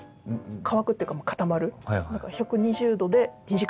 乾くっていうか固まる。